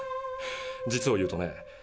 実を言うとね